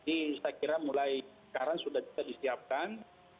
ini saya kira mulai sekarang sudah bisa disiapkan